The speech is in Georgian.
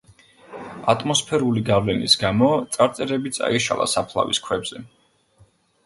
ატმოსფერული გავლენის გამო წარწერები წაიშალა საფლავის ქვებზე.